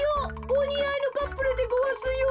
おにあいのカップルでごわすよ。